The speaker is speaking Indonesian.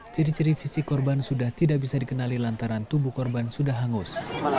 ciri ciri fisik korban sudah tidak bisa dikenali lantaran tubuh korban sudah hangus